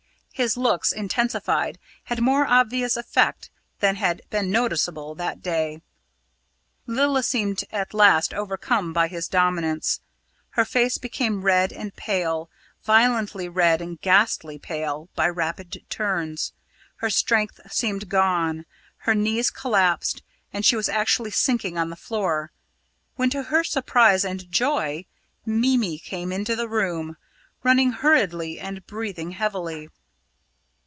His looks, intensified, had more obvious effect than had been noticeable that day. Lilla seemed at last overcome by his dominance. Her face became red and pale violently red and ghastly pale by rapid turns. Her strength seemed gone. Her knees collapsed, and she was actually sinking on the floor, when to her surprise and joy Mimi came into the room, running hurriedly and breathing heavily.